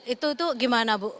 itu itu gimana bu